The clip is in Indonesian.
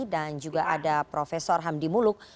dan juga ada profesor hamdi muluk